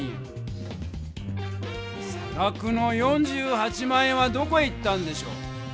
さがくの４８万円はどこへ行ったんでしょう？